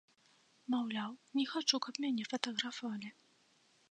Маўляў, не хачу, каб мяне фатаграфавалі.